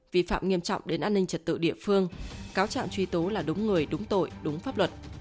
vi phạm nghiêm trọng đến an ninh trật tự địa phương cáo trạng truy tố là đúng người đúng tội đúng pháp luật